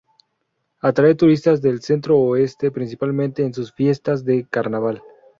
Atrae turistas del Centro-Oeste, principalmente en sus fiestas de Carnaval.